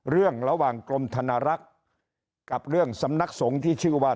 เรื่องระหว่างกรมธนรักษ์กับเรื่องสำนักสงฆ์ที่ชื่อว่า